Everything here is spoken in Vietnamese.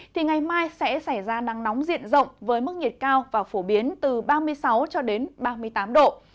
thì ngày mai sẽ xảy ra nắng nóng diện rộng với mức nhiệt cao và phổ biến từ ba mươi sáu ba mươi tám độ